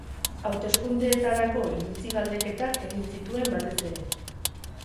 Hauteskundeetarako iritzi-galdeketak egin zituen batez ere.